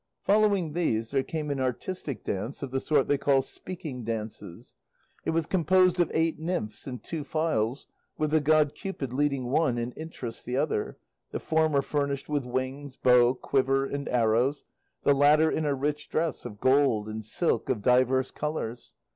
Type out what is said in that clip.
Following these there came an artistic dance of the sort they call "speaking dances." It was composed of eight nymphs in two files, with the god Cupid leading one and Interest the other, the former furnished with wings, bow, quiver and arrows, the latter in a rich dress of gold and silk of divers colours.